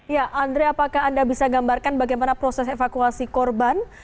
ya andre apakah anda bisa gambarkan bagaimana proses evakuasi korban